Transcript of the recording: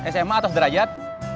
sma atau sederajat